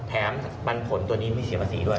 แถมปันผลตัวนี้ไม่เสียประสิทธิ์ด้วย